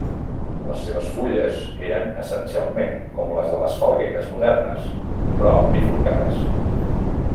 Les seves fulles eren essencialment com les de les falgueres modernes però bifurcades.